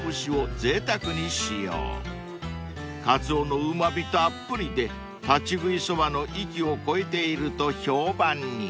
［カツオのうま味たっぷりで立ち食いそばの域を超えていると評判に］